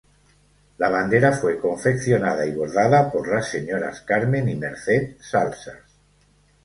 La bandera fue confeccionada y bordada por las señoras Carmen y Merced Salsas.